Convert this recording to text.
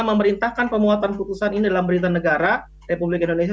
enam memerintahkan pemohonan putusan ini dalam pemerintah negara republik indonesia